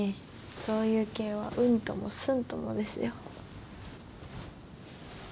そういう系はうんともすんともですよ。